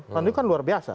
karena itu kan luar biasa